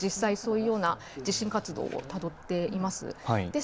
過去も実際そういう地震活動をたどっています。